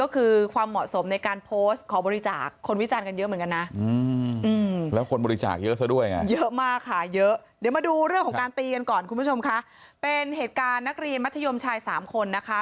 คุณผู้ชมค่ะเป็นเหตุการณ์นักเรียนมัธยมชาย๓คนนะคะ